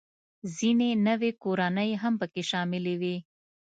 ځینې نوې کورنۍ هم پکې شاملې وې